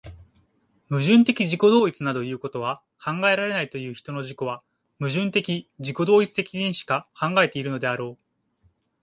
矛盾的自己同一などいうことは考えられないという人の自己は、矛盾的自己同一的にしか考えているのであろう。